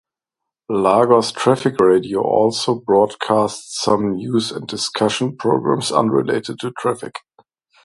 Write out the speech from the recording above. Lagos Traffic Radio also broadcasts some news and discussion programmes unrelated to traffic.